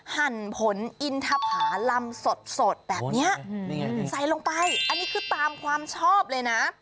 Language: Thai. หั่นผลอินทภาลำสดแบบนี้ใส่ลงไปอันนี้คือตามความชอบเลยนะ